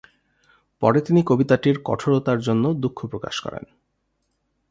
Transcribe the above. পরে তিনি কবিতাটির কঠোরতার জন্য দুঃখ প্রকাশ করেন।